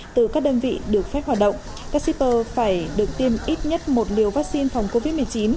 hoạt động các shipper phải được tiêm ít nhất một liều vaccine phòng covid một mươi chín